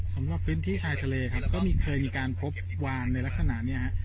สำหรับฟินทิชายทะเลก็เคยมีการพบวางในลักษณะนี้